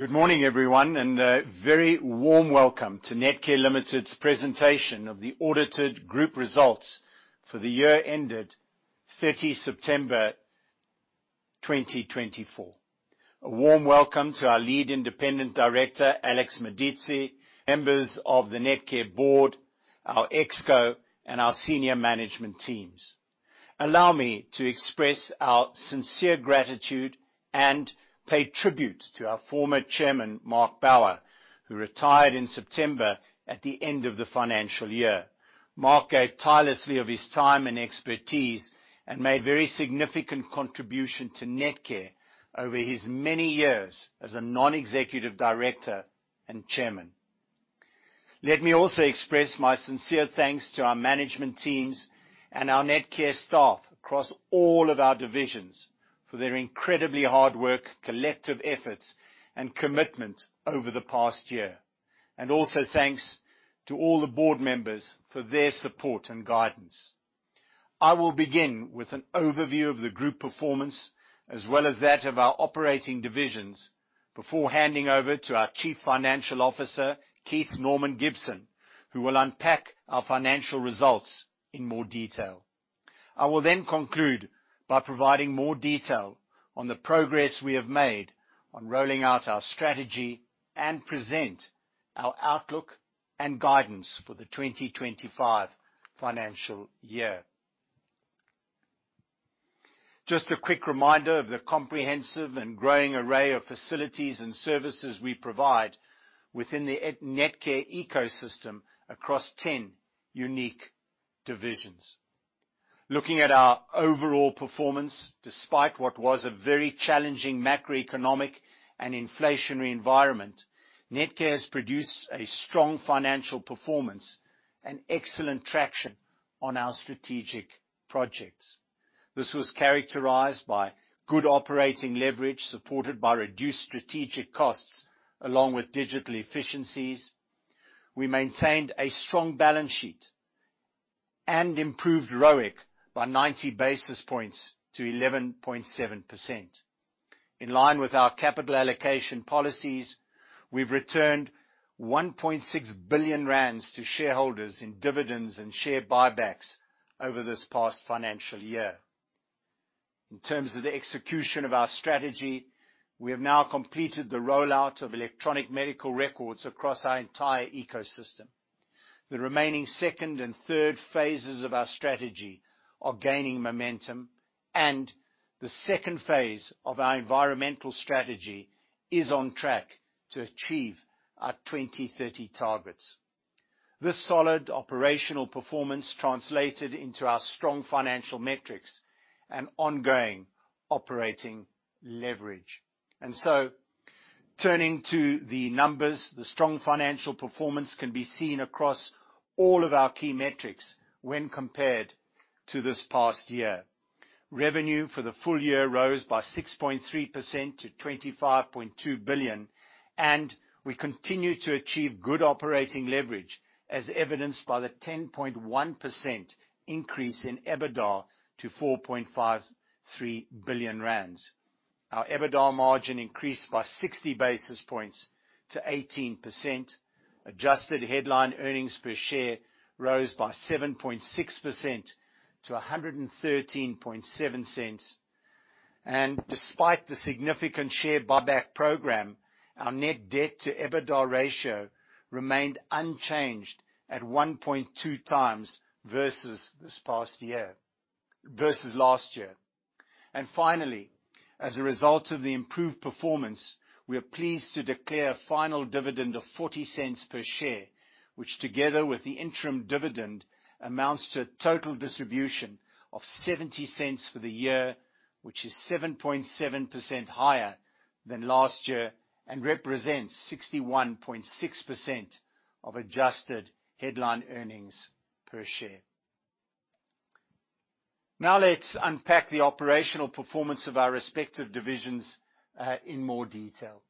Good morning, everyone, and a very warm welcome to Netcare Ltd's presentation of the audited group results for the year ended 30 September 2024. A warm welcome to our Lead Independent Director, Alex Maditse, members of the Netcare board, our ExCo, and our senior management teams. Allow me to express our sincere gratitude and pay tribute to our former Chairman, Mark Bower, who retired in September at the end of the financial year. Mark gave tirelessly of his time and expertise and made a very significant contribution to Netcare over his many years as a Non-Executive Director and Chairman. Let me also express my sincere thanks to our management teams and our Netcare staff across all of our divisions for their incredibly hard work, collective efforts, and commitment over the past year, and also thanks to all the board members for their support and guidance. I will begin with an overview of the group performance, as well as that of our operating divisions, before handing over to our Chief Financial Officer, Keith Norman Gibson, who will unpack our financial results in more detail. I will then conclude by providing more detail on the progress we have made on rolling out our strategy and present our outlook and guidance for the 2025 financial year. Just a quick reminder of the comprehensive and growing array of facilities and services we provide within the Netcare ecosystem across ten unique divisions. Looking at our overall performance, despite what was a very challenging macroeconomic and inflationary environment, Netcare has produced a strong financial performance and excellent traction on our strategic projects. This was characterized by good operating leverage supported by reduced strategic costs, along with digital efficiencies. We maintained a strong balance sheet and improved ROIC by 90 basis points to 11.7%. In line with our capital allocation policies, we've returned 1.6 billion rand to shareholders in dividends and share buybacks over this past financial year. In terms of the execution of our strategy, we have now completed the rollout of electronic medical records across our entire ecosystem. The remaining second and third phases of our strategy are gaining momentum, and the second phase of our environmental strategy is on track to achieve our 2030 targets. This solid operational performance translated into our strong financial metrics and ongoing operating leverage, and so, turning to the numbers, the strong financial performance can be seen across all of our key metrics when compared to this past year. Revenue for the full year rose by 6.3% to 25.2 billion, and we continue to achieve good operating leverage, as evidenced by the 10.1% increase in EBITDA to 4.53 billion rand. Our EBITDA margin increased by 60 basis points to 18%. Adjusted headline earnings per share rose by 7.6% to 1.137. And despite the significant share buyback program, our net debt to EBITDA ratio remained unchanged at 1.2x versus last year. And finally, as a result of the improved performance, we are pleased to declare a final dividend of 0.40 per share, which together with the interim dividend amounts to a total distribution of 0.70 for the year, which is 7.7% higher than last year and represents 61.6% of adjusted headline earnings per share. Now let's unpack the operational performance of our respective divisions in more detail.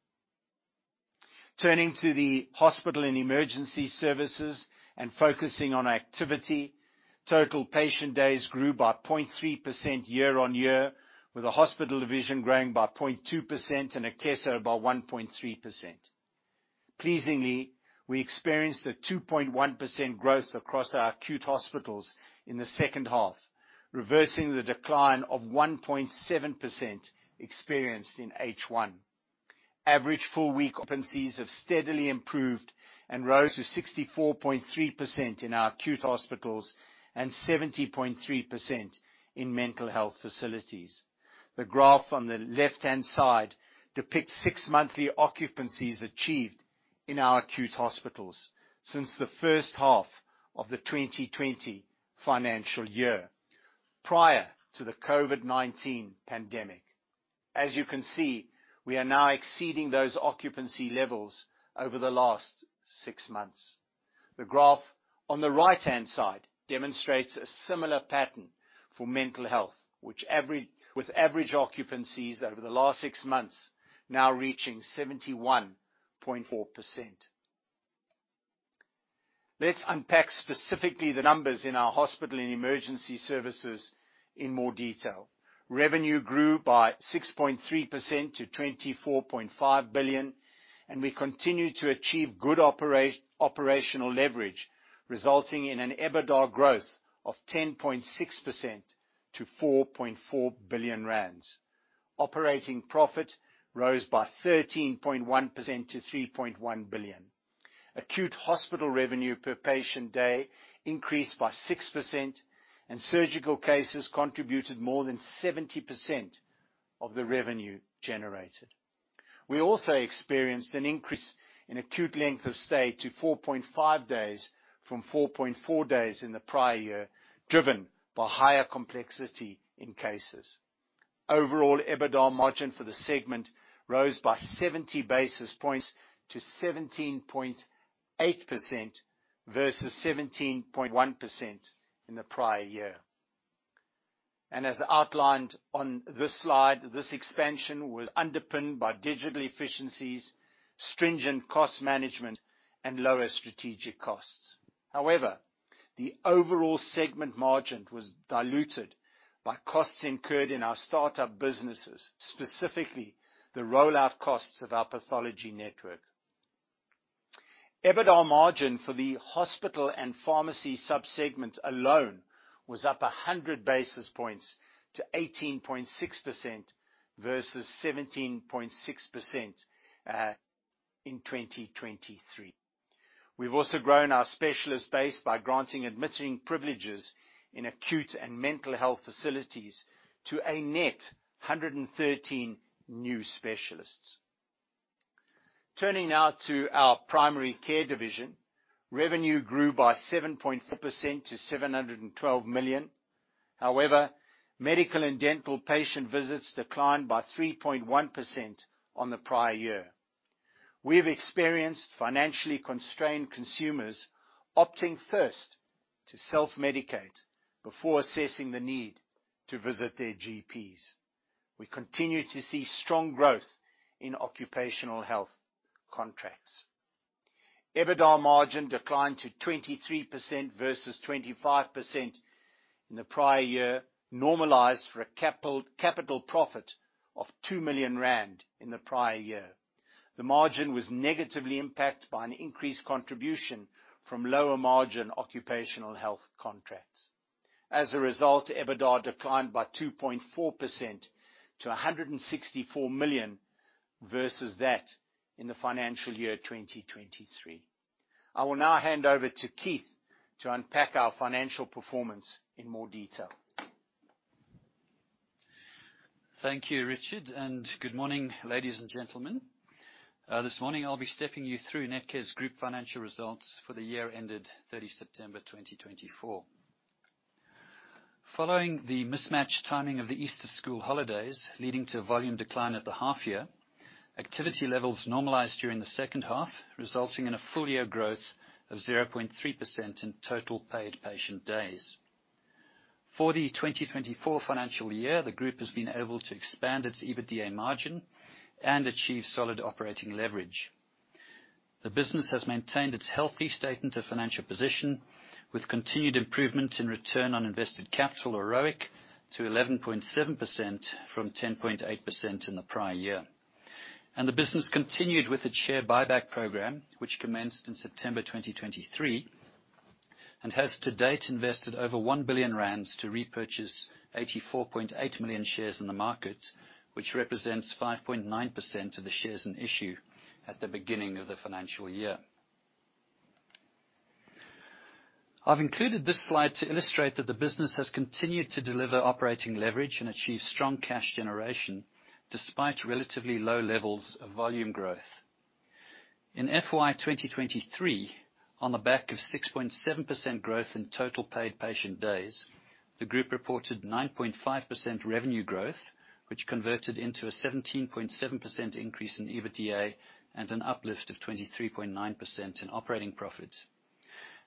Turning to the hospital and emergency services and focusing on activity, total patient days grew by 0.3% year-on-year, with a hospital division growing by 0.2% and Akeso by 1.3%. Pleasingly, we experienced a 2.1% growth across our acute hospitals in the second half, reversing the decline of 1.7% experienced in H1. Average full-week occupancies have steadily improved and rose to 64.3% in our acute hospitals and 70.3% in mental health facilities. The graph on the left-hand side depicts six-monthly occupancies achieved in our acute hospitals since the first half of the 2020 financial year, prior to the COVID-19 pandemic. As you can see, we are now exceeding those occupancy levels over the last six months. The graph on the right-hand side demonstrates a similar pattern for mental health, with average occupancies over the last six months now reaching 71.4%. Let's unpack specifically the numbers in our hospital and emergency services in more detail. Revenue grew by 6.3% to 24.5 billion, and we continue to achieve good operational leverage, resulting in an EBITDA growth of 10.6% to 4.4 billion rand. Operating profit rose by 13.1% to 3.1 billion. Acute hospital revenue per patient day increased by 6%, and surgical cases contributed more than 70% of the revenue generated. We also experienced an increase in acute length of stay to 4.5 days from 4.4 days in the prior year, driven by higher complexity in cases. Overall EBITDA margin for the segment rose by 70 basis points to 17.8% versus 17.1% in the prior year. And as outlined on this slide, this expansion was underpinned by digital efficiencies, stringent cost management, and lower strategic costs. However, the overall segment margin was diluted by costs incurred in our startup businesses, specifically the rollout costs of our pathology network. EBITDA margin for the hospital and pharmacy subsegments alone was up 100 basis points to 18.6% versus 17.6% in 2023. We've also grown our specialist base by granting admission privileges in acute and mental health facilities to a net 113 new specialists. Turning now to our primary care division, revenue grew by 7.4% to 712 million. However, medical and dental patient visits declined by 3.1% on the prior year. We've experienced financially constrained consumers opting first to self-medicate before assessing the need to visit their GPs. We continue to see strong growth in occupational health contracts. EBITDA margin declined to 23% versus 25% in the prior year, normalized for a capital profit of 2 million rand in the prior year. The margin was negatively impacted by an increased contribution from lower-margin occupational health contracts. As a result, EBITDA declined by 2.4% to 164 million versus that in the financial year 2023. I will now hand over to Keith to unpack our financial performance in more detail. Thank you, Richard, and good morning, ladies and gentlemen. This morning, I'll be stepping you through Netcare's group financial results for the year ended 30 September 2024. Following the mismatch timing of the Easter school holidays, leading to a volume decline at the half-year, activity levels normalized during the second half, resulting in a full-year growth of 0.3% in total paid patient days. For the 2024 financial year, the group has been able to expand its EBITDA margin and achieve solid operating leverage. The business has maintained its healthy statement of financial position, with continued improvement in return on invested capital or ROIC to 11.7% from 10.8% in the prior year. The business continued with its share buyback program, which commenced in September 2023, and has to date invested over 1 billion rand to repurchase 84.8 million shares in the market, which represents 5.9% of the shares in issue at the beginning of the financial year. I've included this slide to illustrate that the business has continued to deliver operating leverage and achieve strong cash generation despite relatively low levels of volume growth. In FY 2023, on the back of 6.7% growth in total paid patient days, the group reported 9.5% revenue growth, which converted into a 17.7% increase in EBITDA and an uplift of 23.9% in operating profits.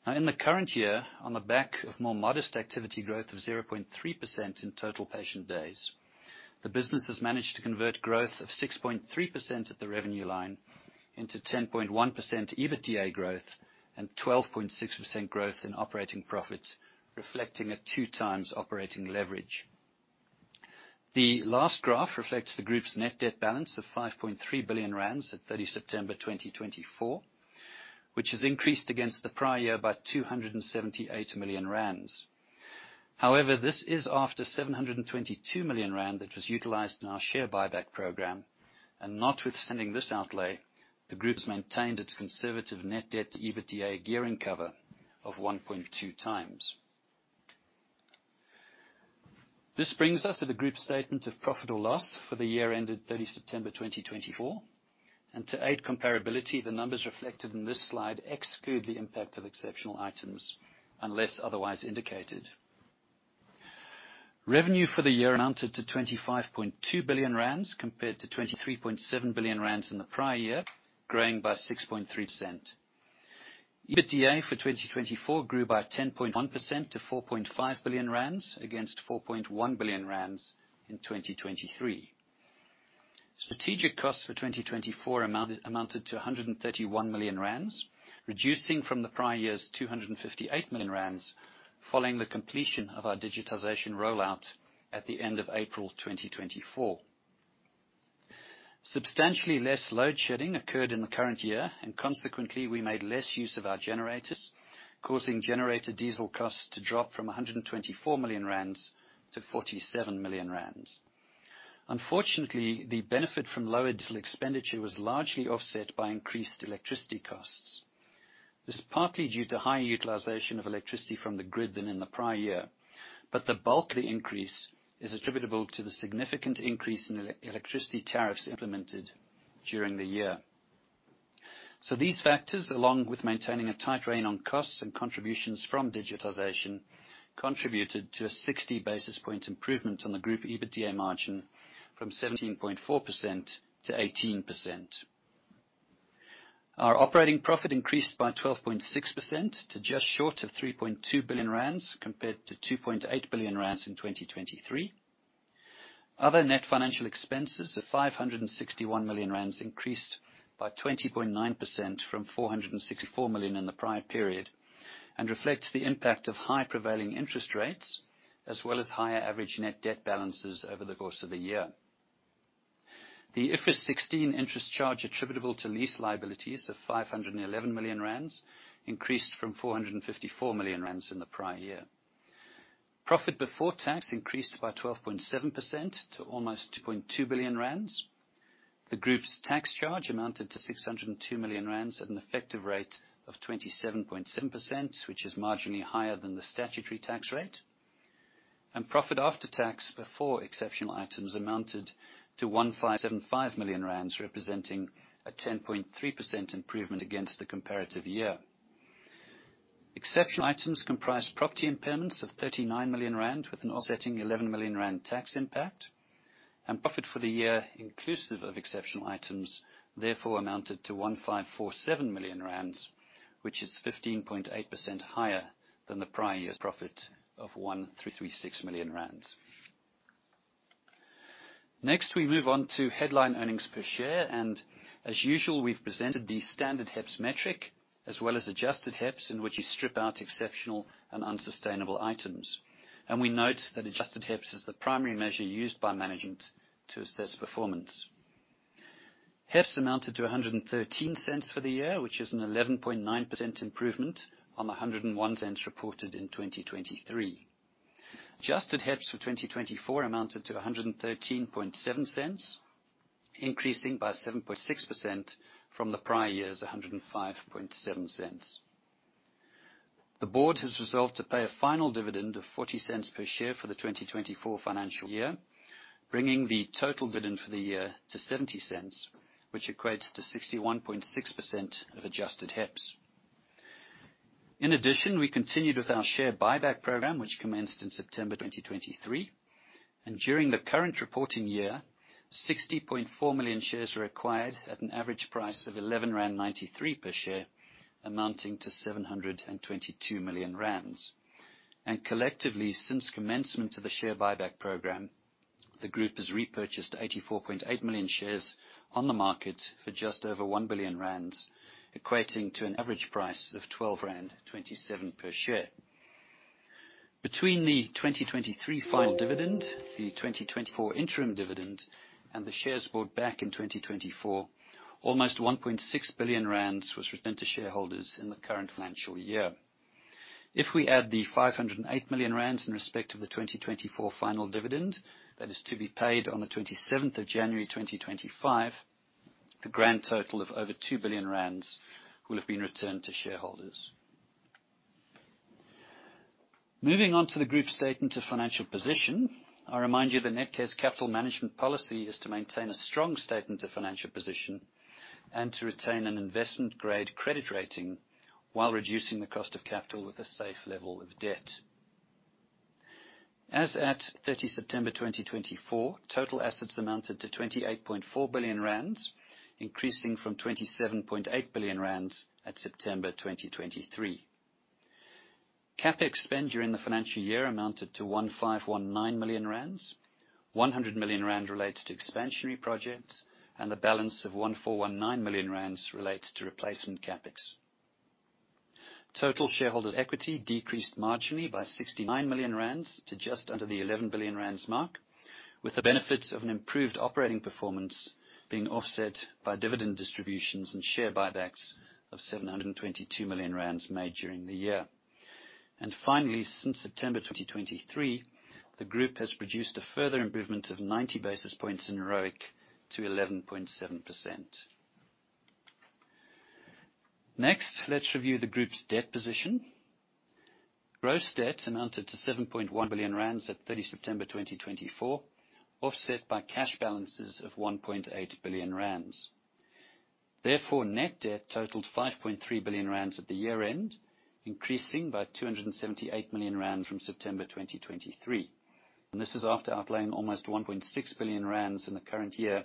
Now, in the current year, on the back of more modest activity growth of 0.3% in total patient days, the business has managed to convert growth of 6.3% at the revenue line into 10.1% EBITDA growth and 12.6% growth in operating profits, reflecting a 2x operating leverage. The last graph reflects the group's net debt balance of 5.3 billion rand at 30 September 2024, which has increased against the prior year by 278 million rand. However, this is after 722 million rand that was utilized in our share buyback program, and notwithstanding this outlay, the group has maintained its conservative net debt to EBITDA gearing cover of 1.2x. This brings us to the group statement of profit or loss for the year ended 30 September 2024. And to aid comparability, the numbers reflected in this slide exclude the impact of exceptional items unless otherwise indicated. Revenue for the year amounted to 25.2 billion rand compared to 23.7 billion rand in the prior year, growing by 6.3%. EBITDA for 2024 grew by 10.1% to 4.5 billion rand against 4.1 billion rand in 2023. Strategic costs for 2024 amounted to 131 million rand, reducing from the prior year's 258 million rand following the completion of our digitization rollout at the end of April 2024. Substantially less load shedding occurred in the current year, and consequently, we made less use of our generators, causing generator diesel costs to drop from 124 million rand to 47 million rand. Unfortunately, the benefit from lower diesel expenditure was largely offset by increased electricity costs. This is partly due to higher utilization of electricity from the grid than in the prior year, but the bulk of the increase is attributable to the significant increase in electricity tariffs implemented during the year. These factors, along with maintaining a tight rein on costs and contributions from digitization, contributed to a 60 basis point improvement on the group EBITDA margin from 17.4% to 18%. Our operating profit increased by 12.6% to just short of 3.2 billion rand compared to 2.8 billion rand in 2023. Other net financial expenses of 561 million rand increased by 20.9% from 464 million in the prior period and reflect the impact of high prevailing interest rates as well as higher average net debt balances over the course of the year. The IFRS 16 interest charge attributable to lease liabilities of 511 million rand increased from 454 million rand in the prior year. Profit before tax increased by 12.7% to almost 2.2 billion rand. The group's tax charge amounted to 602 million rand at an effective rate of 27.7%, which is marginally higher than the statutory tax rate. Profit after tax before exceptional items amounted to 1.575 million rand, representing a 10.3% improvement against the comparative year. Exceptional items comprised property impairments of 39 million rand, with an offsetting 11 million rand tax impact. Profit for the year inclusive of exceptional items therefore amounted to 1.547 billion rand, which is 15.8% higher than the prior year's profit of 1.336 billion rand. Next, we move on to headline earnings per share, and as usual, we've presented the standard HEPS metric as well as adjusted HEPS, in which you strip out exceptional and unsustainable items. We note that adjusted HEPS is the primary measure used by management to assess performance. HEPS amounted to 1.13 for the year, which is an 11.9% improvement on the 1.01 reported in 2023. Adjusted HEPS for 2024 amounted to 1.137, increasing by 7.6% from the prior year's 1.057. The board has resolved to pay a final dividend of 0.40 per share for the 2024 financial year, bringing the total dividend for the year to 0.70, which equates to 61.6% of adjusted HEPS. In addition, we continued with our share buyback program, which commenced in September 2023. During the current reporting year, 60.4 million shares were acquired at an average price of 11.93 rand per share, amounting to 722 million rand. Collectively, since commencement of the share buyback program, the group has repurchased 84.8 million shares on the market for just over 1 billion rand, equating to an average price of 12.27 rand per share. Between the 2023 final dividend, the 2024 interim dividend, and the shares bought back in 2024, almost 1.6 billion rand was returned to shareholders in the current financial year. If we add the 508 million rand in respect of the 2024 final dividend that is to be paid on the 27th of January 2025, a grand total of over 2 billion rand will have been returned to shareholders. Moving on to the group statement of financial position, I remind you the Netcare's capital management policy is to maintain a strong statement of financial position and to retain an investment-grade credit rating while reducing the cost of capital with a safe level of debt. As at 30 September 2024, total assets amounted to 28.4 billion rand, increasing from 27.8 billion rand at September 2023. CapEx spend during the financial year amounted to 1.519 billion rand. 100 million rand relates to expansionary projects, and the balance of 1.419 billion rand relates to replacement CapEx. Total shareholders' equity decreased marginally by R69 million to just under the 11 billion rand mark, with the benefits of an improved operating performance being offset by dividend distributions and share buybacks of 722 million rand made during the year. And finally, since September 2023, the group has produced a further improvement of 90 basis points in ROIC to 11.7%. Next, let's review the group's debt position. Gross debt amounted to 7.1 billion rand at 30 September 2024, offset by cash balances of 1.8 billion rand. Therefore, net debt totaled 5.3 billion rand at the year-end, increasing by 278 million rand from September 2023. And this is after outlaying almost 1.6 billion rand in the current year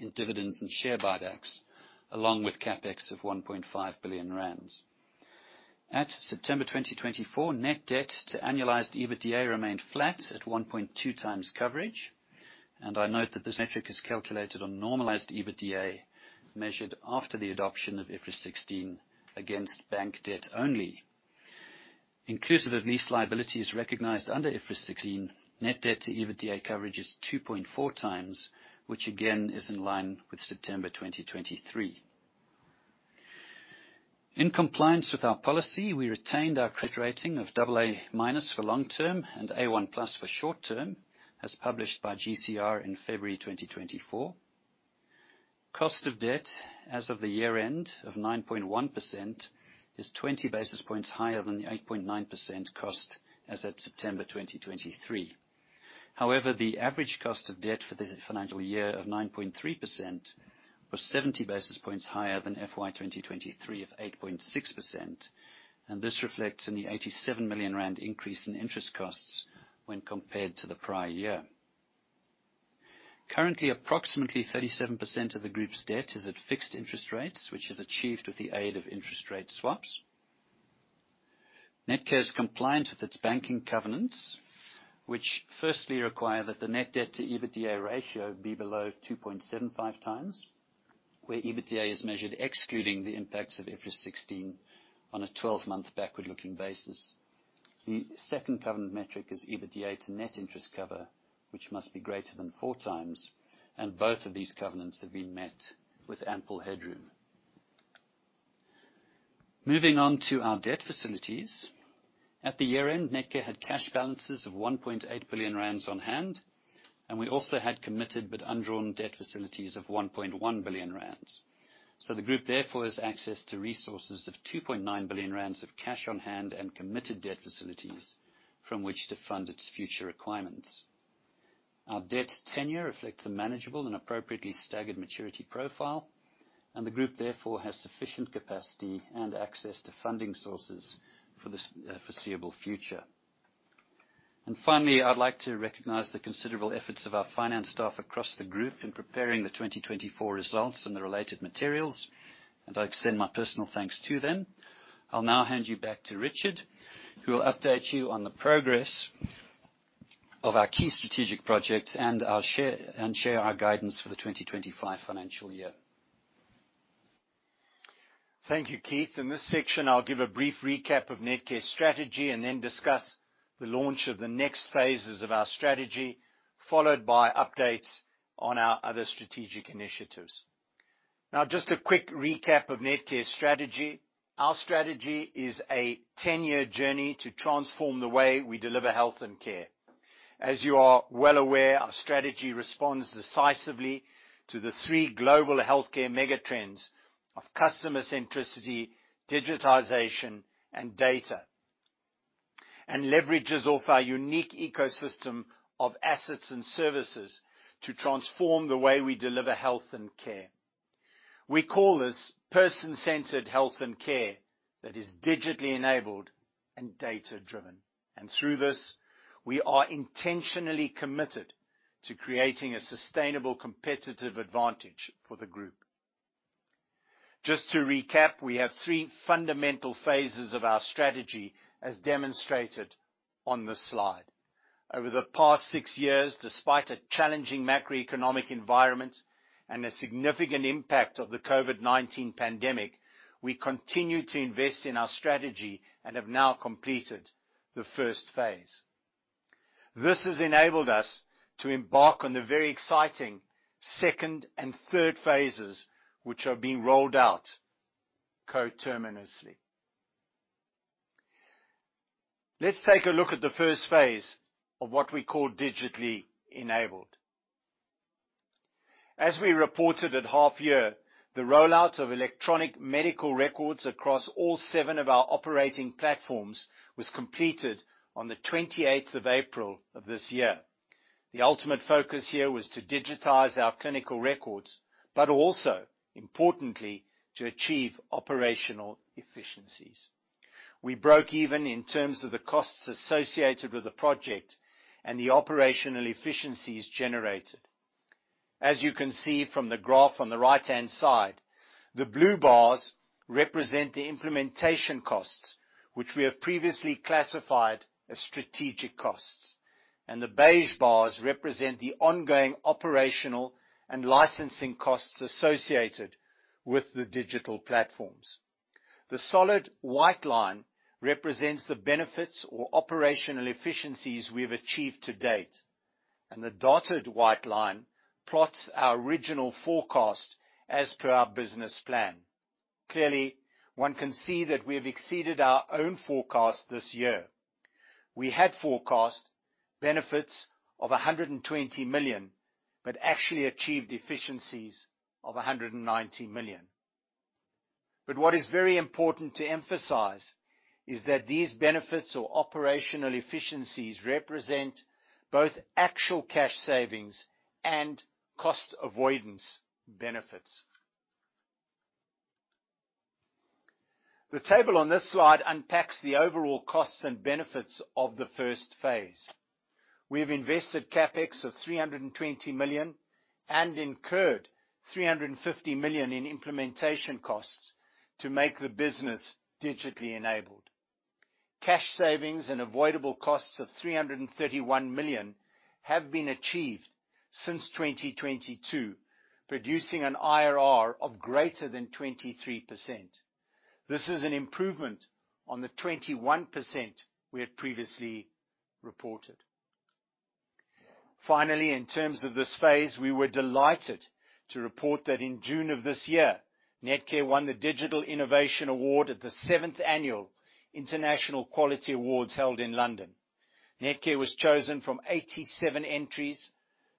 in dividends and share buybacks, along with CapEx of 1.5 billion rand. At September 2024, net debt to annualized EBITDA remained flat at 1.2x coverage. I note that this metric is calculated on normalized EBITDA measured after the adoption of IFRS 16 against bank debt only. Inclusive of lease liabilities recognized under IFRS 16, net debt to EBITDA coverage is 2.4x, which again is in line with September 2023. In compliance with our policy, we retained our credit rating of AA- for long-term and A1+ for short-term, as published by GCR in February 2024. Cost of debt as of the year-end of 9.1% is 20 basis points higher than the 8.9% cost as at September 2023. However, the average cost of debt for the financial year of 9.3% was 70 basis points higher than FY 2023 of 8.6%, and this reflects in the 87 million rand increase in interest costs when compared to the prior year. Currently, approximately 37% of the group's debt is at fixed interest rates, which is achieved with the aid of interest rate swaps. Netcare is compliant with its banking covenants, which firstly require that the net debt to EBITDA ratio be below 2.75x, where EBITDA is measured excluding the impacts of IFRS 16 on a 12-month backward-looking basis. The second covenant metric is EBITDA to net interest cover, which must be greater than 4x, and both of these covenants have been met with ample headroom. Moving on to our debt facilities. At the year-end, Netcare had cash balances of 1.8 billion rand on hand, and we also had committed but undrawn debt facilities of 1.1 billion rand. So the group therefore has access to resources of 2.9 billion rand of cash on hand and committed debt facilities from which to fund its future requirements. Our debt tenure reflects a manageable and appropriately staggered maturity profile, and the group therefore has sufficient capacity and access to funding sources for the foreseeable future, and finally, I'd like to recognize the considerable efforts of our finance staff across the group in preparing the 2024 results and the related materials, and I extend my personal thanks to them. I'll now hand you back to Richard, who will update you on the progress of our key strategic projects and share our guidance for the 2025 financial year. Thank you, Keith. In this section, I'll give a brief recap of Netcare's strategy and then discuss the launch of the next phases of our strategy, followed by updates on our other strategic initiatives. Now, just a quick recap of Netcare's strategy. Our strategy is a 10-year journey to transform the way we deliver health and care. As you are well aware, our strategy responds decisively to the three global healthcare megatrends of customer centricity, digitization, and data, and leverages off our unique ecosystem of assets and services to transform the way we deliver health and care. We call this Person-Centered Health and Care that is digitally enabled and data-driven. And through this, we are intentionally committed to creating a sustainable competitive advantage for the group. Just to recap, we have three fundamental phases of our strategy as demonstrated on this slide. Over the past six years, despite a challenging macroeconomic environment and a significant impact of the COVID-19 pandemic, we continue to invest in our strategy and have now completed the first phase. This has enabled us to embark on the very exciting second and third phases, which are being rolled out coterminously. Let's take a look at the first phase of what we call Digitally Enabled. As we reported at half-year, the rollout of electronic medical records across all seven of our operating platforms was completed on the 28th of April of this year. The ultimate focus here was to digitize our clinical records, but also, importantly, to achieve operational efficiencies. We broke even in terms of the costs associated with the project and the operational efficiencies generated. As you can see from the graph on the right-hand side, the blue bars represent the implementation costs, which we have previously classified as strategic costs, and the beige bars represent the ongoing operational and licensing costs associated with the digital platforms. The solid white line represents the benefits or operational efficiencies we have achieved to date, and the dotted white line plots our original forecast as per our business plan. Clearly, one can see that we have exceeded our own forecast this year. We had forecast benefits of 120 million, but actually achieved efficiencies of 190 million. But what is very important to emphasize is that these benefits or operational efficiencies represent both actual cash savings and cost avoidance benefits. The table on this slide unpacks the overall costs and benefits of the first phase. We have invested CapEx of 320 million and incurred 350 million in implementation costs to make the business digitally enabled. Cash savings and avoidable costs of 331 million have been achieved since 2022, producing an IRR of greater than 23%. This is an improvement on the 21% we had previously reported. Finally, in terms of this phase, we were delighted to report that in June of this year, Netcare won the Digital Innovation Award at the 7th Annual International Quality Awards held in London. Netcare was chosen from 87 entries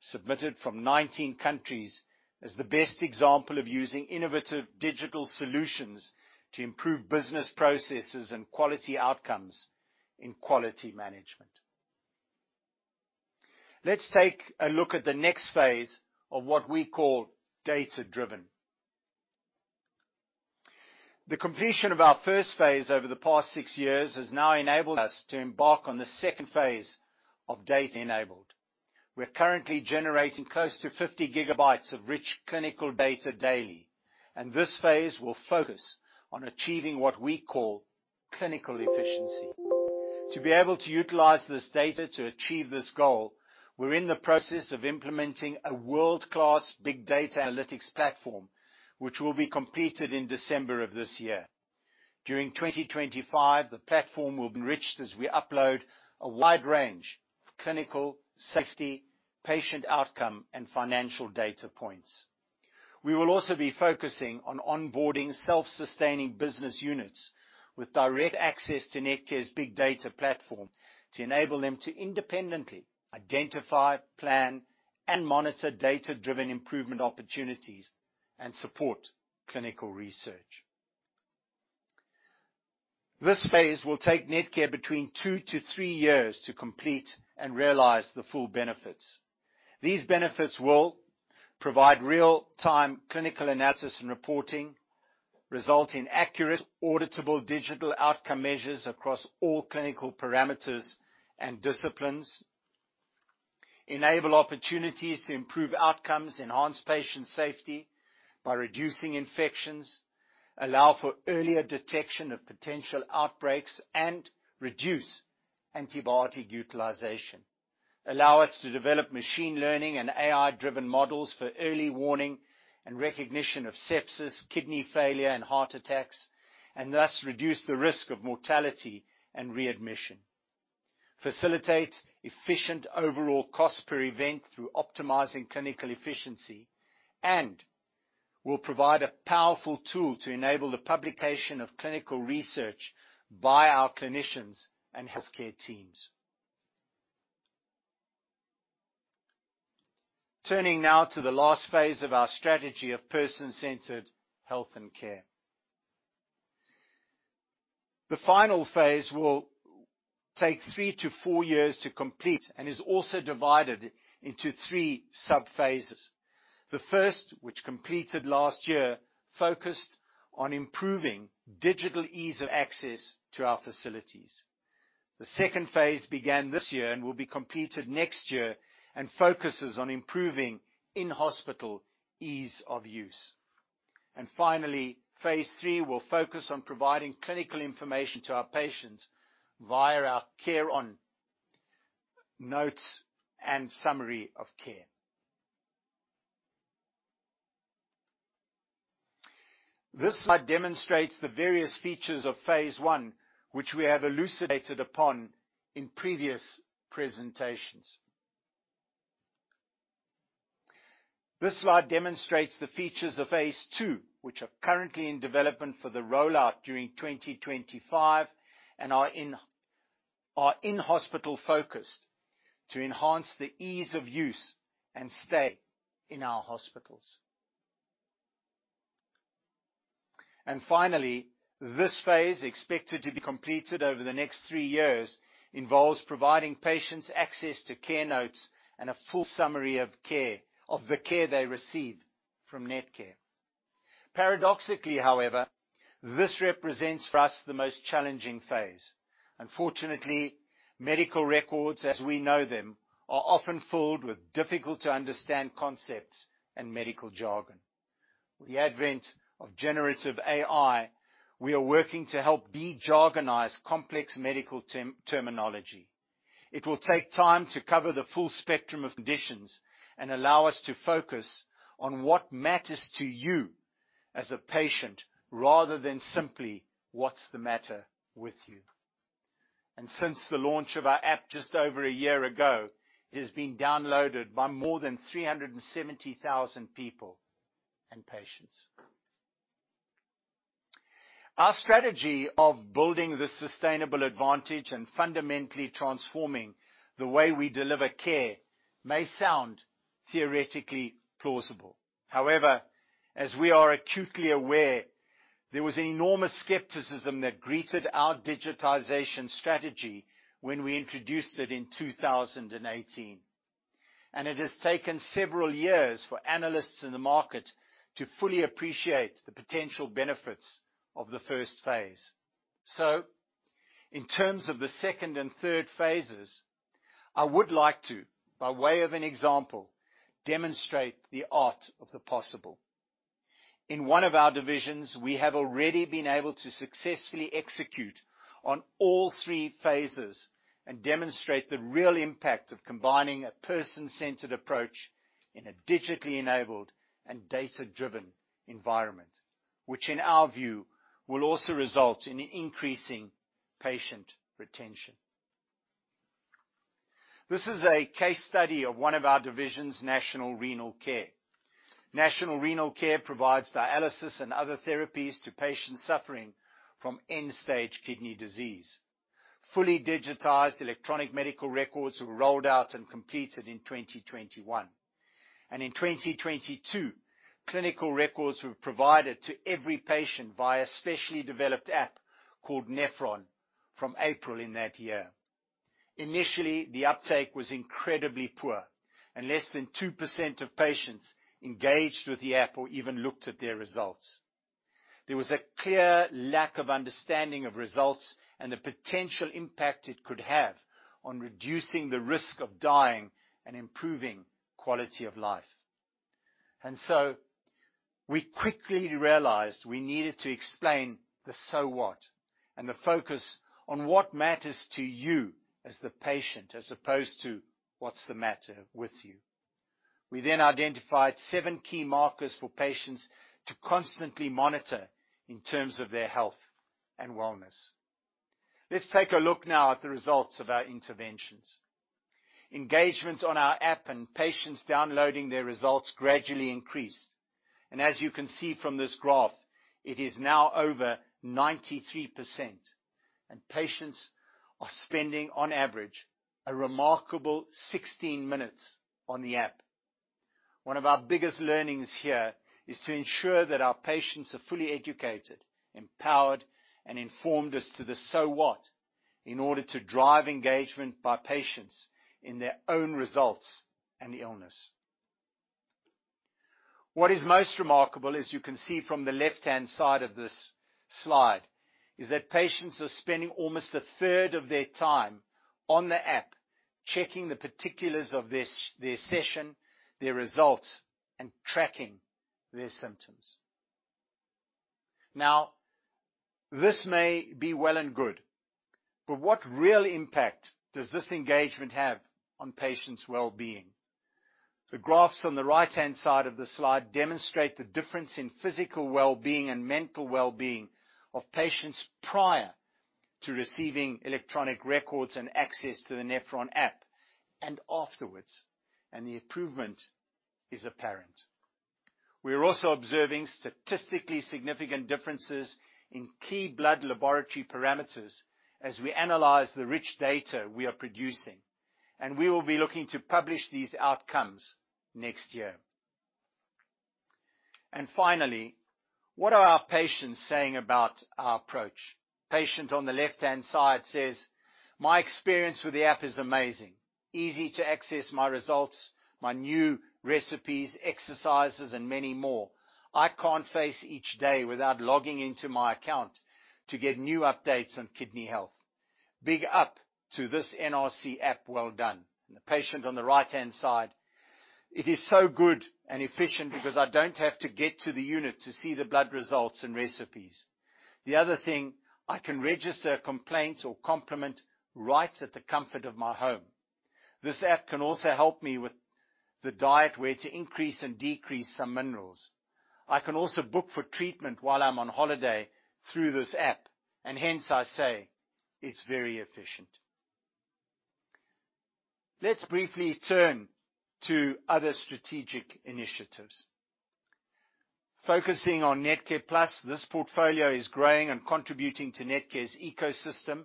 submitted from 19 countries as the best example of using innovative digital solutions to improve business processes and quality outcomes in quality management. Let's take a look at the next phase of what we call Data-Driven. The completion of our first phase over the past six years has now enabled us to embark on the second phase of data-enabled. We're currently generating close to 50 GB of rich clinical data daily, and this phase will focus on achieving what we call Clinical Efficiency. To be able to utilize this data to achieve this goal, we're in the process of implementing a world-class big data analytics platform, which will be completed in December of this year. During 2025, the platform will be enriched as we upload a wide range of clinical safety, patient outcome, and financial data points. We will also be focusing on onboarding self-sustaining business units with direct access to Netcare's big data platform to enable them to independently identify, plan, and monitor data-driven improvement opportunities and support clinical research. This phase will take Netcare between two to three years to complete and realize the full benefits. These benefits will provide real-time clinical analysis and reporting, result in accurate, auditable digital outcome measures across all clinical parameters and disciplines, enable opportunities to improve outcomes, enhance patient safety by reducing infections, allow for earlier detection of potential outbreaks, and reduce antibiotic utilization, allow us to develop machine learning and AI-driven models for early warning and recognition of sepsis, kidney failure, and heart attacks, and thus reduce the risk of mortality and readmission, facilitate efficient overall cost per event through optimizing clinical efficiency, and will provide a powerful tool to enable the publication of clinical research by our clinicians and healthcare teams. Turning now to the last phase of our strategy of Person-Centered Health and Care. The final phase will take three to four years to complete and is also divided into three sub-phases. The first, which completed last year, focused on improving digital ease of access to our facilities. The second phase began this year and will be completed next year and focuses on improving in-hospital ease of use, and finally, Phase III will focus on providing clinical information to our patients via our CareNotes and Summary of Care. This slide demonstrates the various features of Phase I, which we have elucidated upon in previous presentations. This slide demonstrates the features of Phase II, which are currently in development for the rollout during 2025 and are in-hospital focused to enhance the ease of use and stay in our hospitals, and finally, this phase, expected to be completed over the next three years, involves providing patients access to CareNotes and a full Summary of Care, of the care they receive from Netcare. Paradoxically, however, this represents for us the most challenging phase. Unfortunately, medical records, as we know them, are often filled with difficult-to-understand concepts and medical jargon. With the advent of generative AI, we are working to help de-jargonize complex medical terminology. It will take time to cover the full spectrum of conditions and allow us to focus on what matters to you as a patient rather than simply what's the matter with you. And since the launch of our app just over a year ago, it has been downloaded by more than 370,000 people and patients. Our strategy of building the sustainable advantage and fundamentally transforming the way we deliver care may sound theoretically plausible. However, as we are acutely aware, there was enormous skepticism that greeted our digitization strategy when we introduced it in 2018, and it has taken several years for analysts in the market to fully appreciate the potential benefits of the first phase. In terms of the second and third phases, I would like to, by way of an example, demonstrate the art of the possible. In one of our divisions, we have already been able to successfully execute on all three phases and demonstrate the real impact of combining a person-centered approach in a digitally enabled and data-driven environment, which in our view will also result in increasing patient retention. This is a case study of one of our division's National Renal Care. National Renal Care provides dialysis and other therapies to patients suffering from end-stage kidney disease. Fully digitized electronic medical records were rolled out and completed in 2021, and in 2022, clinical records were provided to every patient via a specially developed app called NephrOn from April in that year. Initially, the uptake was incredibly poor, and less than 2% of patients engaged with the app or even looked at their results. There was a clear lack of understanding of results and the potential impact it could have on reducing the risk of dying and improving quality of life, and so we quickly realized we needed to explain the so what and the focus on what matters to you as the patient as opposed to what's the matter with you. We then identified seven key markers for patients to constantly monitor in terms of their health and wellness. Let's take a look now at the results of our interventions. Engagement on our app and patients downloading their results gradually increased, and as you can see from this graph, it is now over 93%, and patients are spending, on average, a remarkable 16 minutes on the app. One of our biggest learnings here is to ensure that our patients are fully educated, empowered, and informed as to the so what in order to drive engagement by patients in their own results and illness. What is most remarkable, as you can see from the left-hand side of this slide, is that patients are spending almost a third of their time on the app checking the particulars of their session, their results, and tracking their symptoms. Now, this may be well and good, but what real impact does this engagement have on patients' well-being? The graphs on the right-hand side of the slide demonstrate the difference in physical well-being and mental well-being of patients prior to receiving electronic records and access to the NephrOn app and afterwards, and the improvement is apparent. We are also observing statistically significant differences in key blood laboratory parameters as we analyze the rich data we are producing, and we will be looking to publish these outcomes next year, and finally, what are our patients saying about our approach? Patient on the left-hand side says, "My experience with the app is amazing. Easy to access my results, my new recipes, exercises, and many more. I can't face each day without logging into my account to get new updates on kidney health. Big up to this NRC app, well done." And the patient on the right-hand side, "It is so good and efficient because I don't have to get to the unit to see the blood results and recipes. The other thing, I can register a complaint or compliment right at the comfort of my home. This app can also help me with the diet where to increase and decrease some minerals. I can also book for treatment while I'm on holiday through this app, and hence I say it's very efficient." Let's briefly turn to other strategic initiatives. Focusing on NetcarePlus, this portfolio is growing and contributing to Netcare's ecosystem.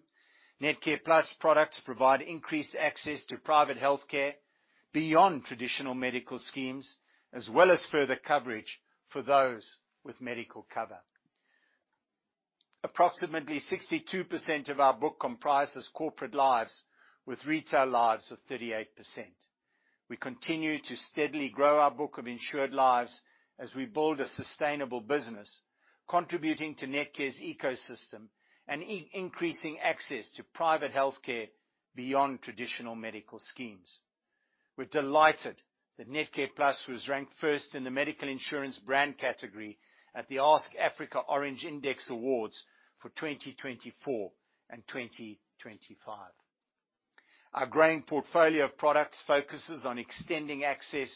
NetcarePlus products provide increased access to private healthcare beyond traditional medical schemes, as well as further coverage for those with medical cover. Approximately 62% of our book comprises corporate lives, with retail lives of 38%. We continue to steadily grow our book of insured lives as we build a sustainable business, contributing to Netcare's ecosystem and increasing access to private healthcare beyond traditional medical schemes. We're delighted that NetcarePlus was ranked first in the medical insurance brand category at the Ask Afrika Orange Index Awards for 2024 and 2025. Our growing portfolio of products focuses on extending access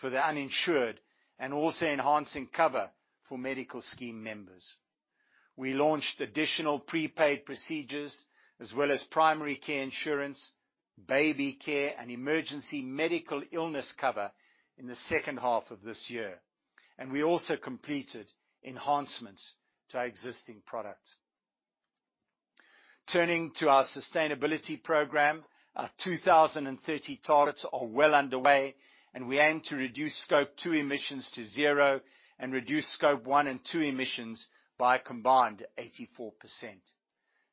for the uninsured and also enhancing cover for medical scheme members. We launched additional prepaid procedures, as well as primary care insurance, baby care, and emergency medical illness cover in the second half of this year, and we also completed enhancements to our existing products. Turning to our sustainability program, our 2030 targets are well underway, and we aim to reduce Scope 2 emissions to zero and reduce Scope 1 and 2 emissions by a combined 84%.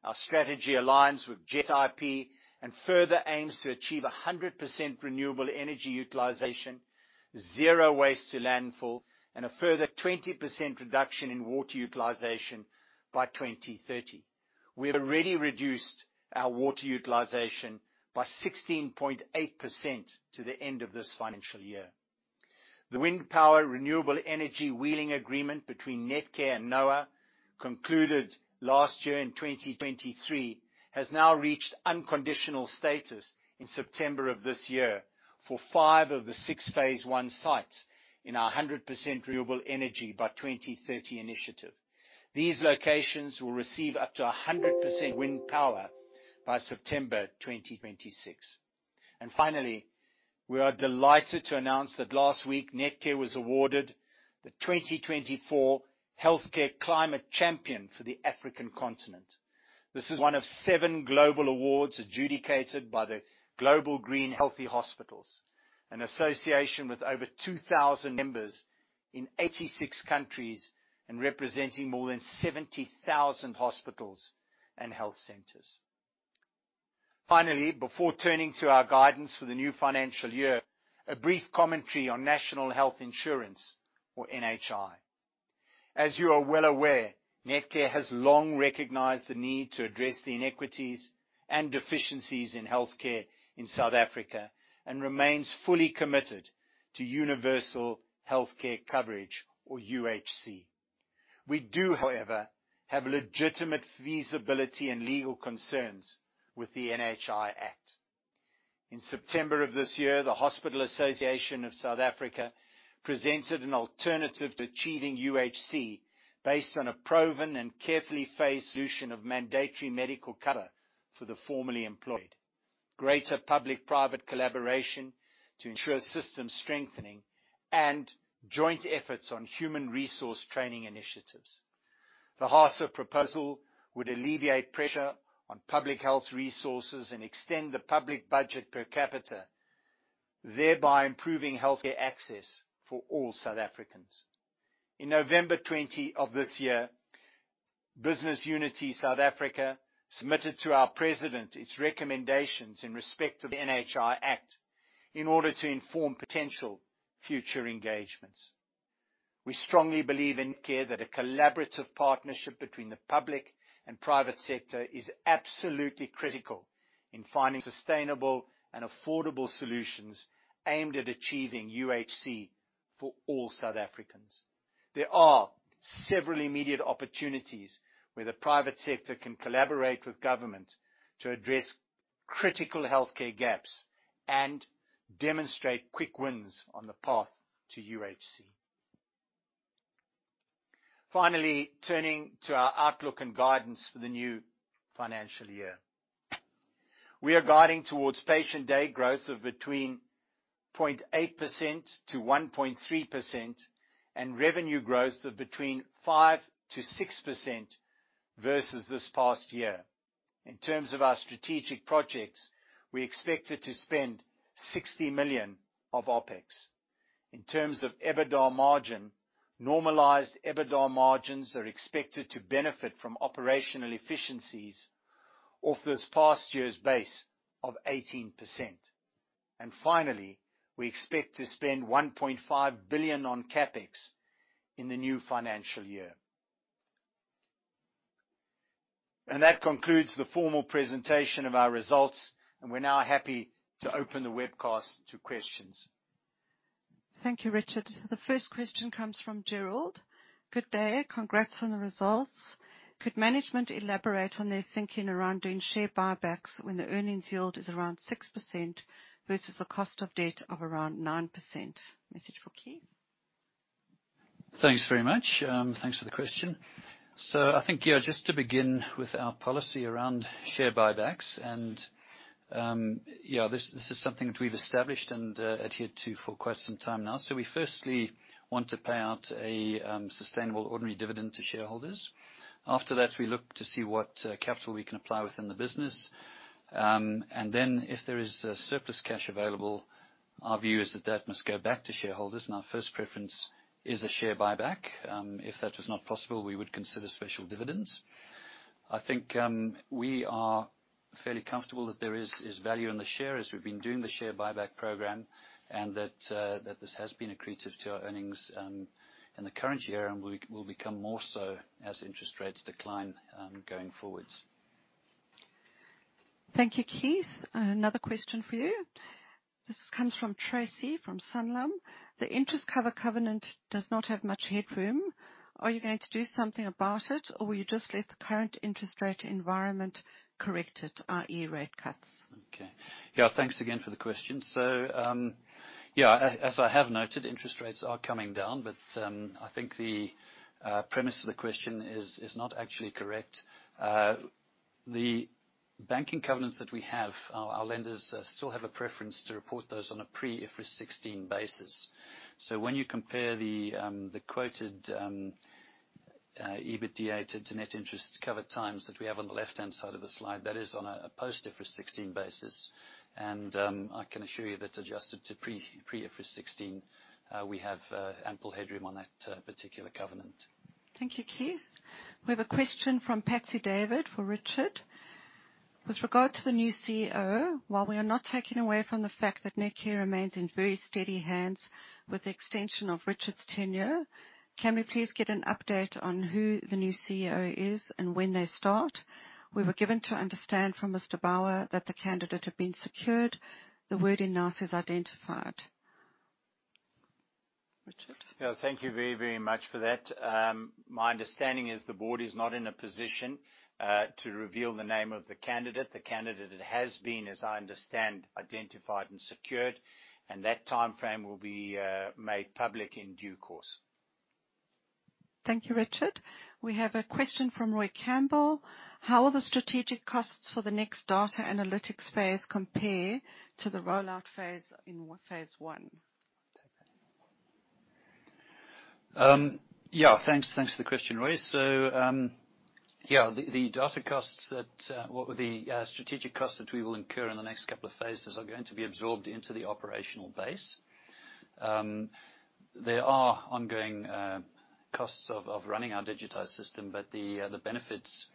Our strategy aligns with JETIP and further aims to achieve 100% renewable energy utilization, zero waste to landfill, and a further 20% reduction in water utilization by 2030. We have already reduced our water utilization by 16.8% to the end of this financial year. The wind power renewable energy wheeling agreement between Netcare and NOA concluded last year in 2023 has now reached unconditional status in September of this year for five of the six Phase I sites in our 100% renewable energy by 2030 initiative. These locations will receive up to 100% wind power by September 2026. Finally, we are delighted to announce that last week, Netcare was awarded the 2024 Healthcare Climate Champion for the African continent. This is one of seven global awards adjudicated by the Global Green and Healthy Hospitals, an association with over 2,000 members in 86 countries and representing more than 70,000 hospitals and health centers. Finally, before turning to our guidance for the new financial year, a brief commentary on National Health Insurance, or NHI. As you are well aware, Netcare has long recognized the need to address the inequities and deficiencies in healthcare in South Africa and remains fully committed to universal healthcare coverage, or UHC. We do, however, have legitimate feasibility and legal concerns with the NHI Act. In September of this year, the Hospital Association of South Africa presented an alternative to achieving UHC based on a proven and carefully phased solution of mandatory medical cover for the formerly employed, greater public-private collaboration to ensure system strengthening, and joint efforts on human resource training initiatives. The HASA proposal would alleviate pressure on public health resources and extend the public budget per capita, thereby improving healthcare access for all South Africans. In November of this year, Business Unity South Africa submitted to our president its recommendations in respect of the NHI Act in order to inform potential future engagements. We strongly believe in Netcare that a collaborative partnership between the public and private sector is absolutely critical in finding sustainable and affordable solutions aimed at achieving UHC for all South Africans. There are several immediate opportunities where the private sector can collaborate with government to address critical healthcare gaps and demonstrate quick wins on the path to UHC. Finally, turning to our outlook and guidance for the new financial year, we are guiding towards patient day growth of between 0.8% to 1.3% and revenue growth of between 5% to 6% versus this past year. In terms of our strategic projects, we expect to spend 60 million of OpEx. In terms of EBITDA margin, normalized EBITDA margins are expected to benefit from operational efficiencies off this past year's base of 18%. Finally, we expect to spend 1.5 billion on CapEx in the new financial year. And that concludes the formal presentation of our results, and we're now happy to open the webcast to questions. Thank you, Richard. The first question comes from Gerald. Good day, congrats on the results. Could management elaborate on their thinking around doing share buybacks when the earnings yield is around 6% versus the cost of debt of around 9%? Message for Keith. Thanks very much. Thanks for the question. So I think, yeah, just to begin with our policy around share buybacks, and yeah, this is something that we've established and adhered to for quite some time now. So we firstly want to pay out a sustainable ordinary dividend to shareholders. After that, we look to see what capital we can apply within the business. And then if there is surplus cash available, our view is that that must go back to shareholders, and our first preference is a share buyback. If that was not possible, we would consider special dividends. I think we are fairly comfortable that there is value in the share as we've been doing the share buyback program and that this has been accretive to our earnings in the current year and will become more so as interest rates decline going forwards. Thank you, Keith. Another question for you. This comes from Tracy from Sanlam. The interest cover covenant does not have much headroom. Are you going to do something about it, or will you just let the current interest rate environment correct it, i.e., rate cuts? Okay. Yeah, thanks again for the question. So yeah, as I have noted, interest rates are coming down, but I think the premise of the question is not actually correct. The banking covenants that we have, our lenders still have a preference to report those on a pre-IFRS 16 basis. So when you compare the quoted EBITDA to net interest cover times that we have on the left-hand side of the slide, that is on a post-IFRS 16 basis, and I can assure you that adjusted to pre-IFRS 16, we have ample headroom on that particular covenant. Thank you, Keith. We have a question from Patsy David for Richard. With regard to the new CEO, while we are not taken away from the fact that Netcare remains in very steady hands with the extension of Richard's tenure, can we please get an update on who the new CEO is and when they start? We were given to understand from Mr. Bower that the candidate had been secured. The wording now says identified. Richard? Yeah, thank you very, very much for that. My understanding is the board is not in a position to reveal the name of the candidate. The candidate has been, as I understand, identified and secured, and that timeframe will be made public in due course. Thank you, Richard. We have a question from Roy Campbell. How will the strategic costs for the next data analytics phase compare to the rollout phase in Phase I? Yeah, thanks for the question, Roy. So yeah, the data costs that, or the strategic costs that we will incur in the next couple of phases are going to be absorbed into the operational base. There are ongoing costs of running our digitized system, but the benefits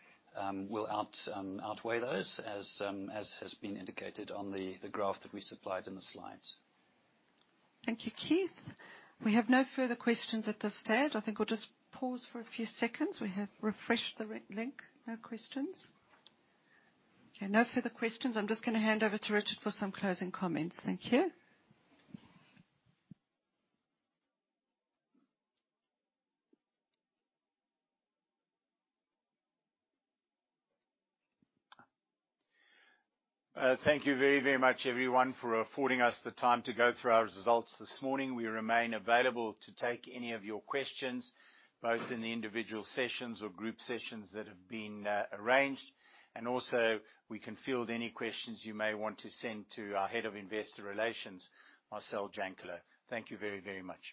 will outweigh those, as has been indicated on the graph that we supplied in the slides. Thank you, Keith. We have no further questions at this stage. I think we'll just pause for a few seconds. We have refreshed the link. No questions. Okay, no further questions. I'm just going to hand over to Richard for some closing comments. Thank you. Thank you very, very much, everyone, for affording us the time to go through our results this morning. We remain available to take any of your questions, both in the individual sessions or group sessions that have been arranged, and also we can field any questions you may want to send to our Head of Investor Relations, Marcelle Jankelow. Thank you very, very much.